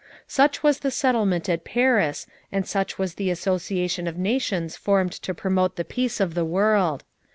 Such was the settlement at Paris and such was the association of nations formed to promote the peace of the world.